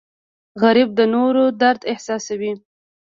غریب د نورو درد احساسوي